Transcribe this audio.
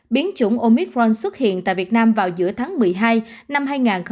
biến chủng omitron xuất hiện tại việt nam vào giữa tháng một mươi hai năm hai nghìn hai mươi